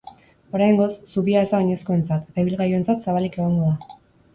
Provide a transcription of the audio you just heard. Oraingoz, zubia ez da oinezkoentzat eta ibilgailuentzat zabalik egongo.